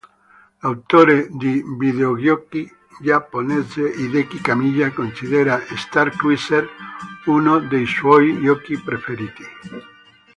L'autore di videogiochi giapponese Hideki Kamiya considera "Star Cruiser" uno dei suoi giochi preferiti.